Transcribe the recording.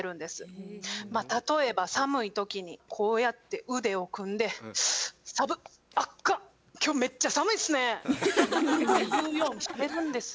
例えば寒い時にこうやって腕を組んで「さぶっ！あかん今日めっちゃ寒いっすね」って言うようにしてるんです。